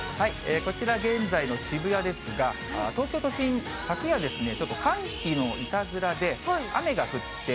こちら、現在の渋谷ですが、東京都心、昨夜、ちょっと寒気のいたずらで、雨が降って。